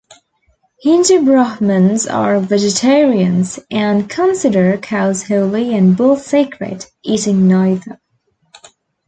Hindu Brahmins are vegetarians and consider cows holy and bulls sacred, eating neither.